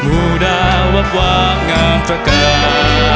หมู่ดาวับว้างอำกากษ์